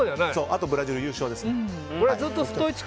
あとはブラジル優勝ですよね。